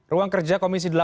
ruang kerja komisi delapan